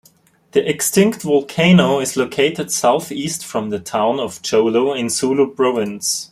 The extinct volcano is located southeast from the town of Jolo in Sulu province.